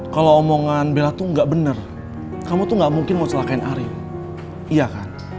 kalau omongan bella tuh nggak bener kamu tuh gak mungkin mau celakain ari iya kan